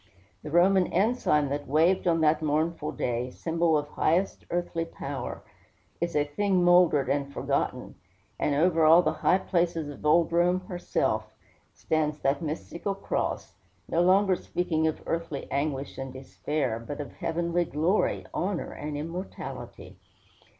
The Roman ensign that waved on that mournful day, symbol of highest earthly power, is a thing mouldered and forgotten; and over all the high places of old Rome, herself, stands that mystical cross, no longer speaking of earthly anguish and despair, but of heavenly glory, honor, and immortality.